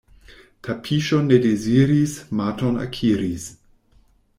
Tapiŝon ne deziris, maton akiris.